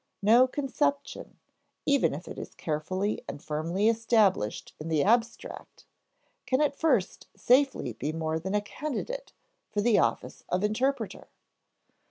No conception, even if it is carefully and firmly established in the abstract, can at first safely be more than a candidate for the office of interpreter.